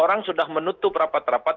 orang sudah menutup rapat rapat